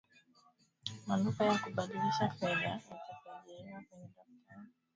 maduka ya kubadilisha fedha yatasajiriwa kwenye daftari